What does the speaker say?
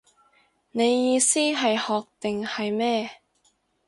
你意思係學定係咩